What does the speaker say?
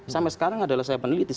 sampai sekarang adalah saya peneliti